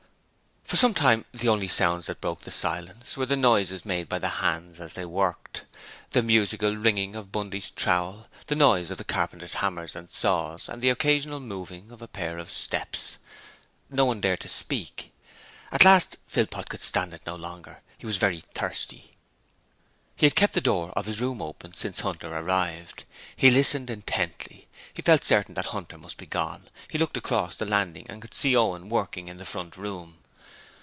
For some time the only sounds that broke the silence were the noises made by the hands as they worked. The musical ringing of Bundy's trowel, the noise of the carpenters' hammers and saws and the occasional moving of a pair of steps. No one dared to speak. At last Philpot could stand it no longer. He was very thirsty. He had kept the door of his room open since Hunter arrived. He listened intently. He felt certain that Hunter must be gone: he looked across the landing and could see Owen working in the front room.